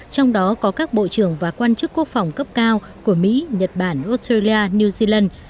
trong đó có các bộ trưởng và quan chức quốc phòng cấp cao của mỹ nhật bản australia new zealand